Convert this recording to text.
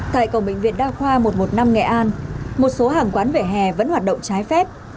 tại cổng bệnh viện đa khoa một trăm một mươi năm nghệ an một số hàng quán về hè vẫn hoạt động trái phép